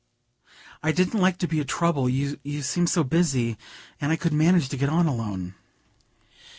"I didn't like to be a trouble; you seemed so busy, and I could manage to get on alone."